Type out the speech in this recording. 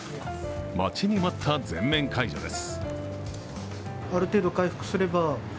待ちに待った全面解除です。